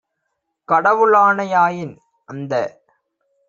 கடவுளாணை யாயின், அந்த